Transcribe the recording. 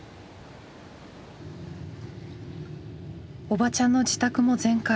おばちゃんの自宅も全壊。